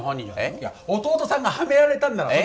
いや弟さんがハメられたんならえっ？